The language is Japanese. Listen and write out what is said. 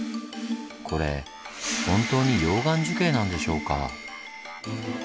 これ本当に溶岩樹型なんでしょうか？